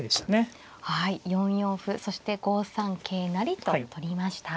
４四歩そして５三桂成と取りました。